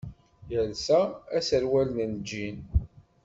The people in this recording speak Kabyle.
Yelsa aserwal n lǧin.